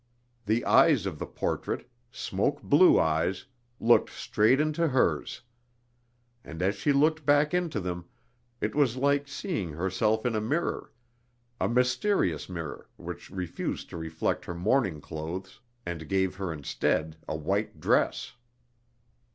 The eyes of the portrait smoke blue eyes looked straight into hers. And as she looked back into them, it was like seeing herself in a mirror, a mysterious mirror which refused to reflect her mourning clothes, and gave her instead a white dress.